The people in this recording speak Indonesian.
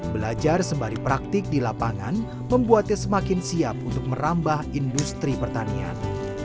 belajar sembari praktik di lapangan membuatnya semakin siap untuk merambah industri pertanian